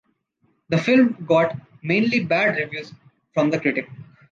The film got mainly bad reviews from the critic.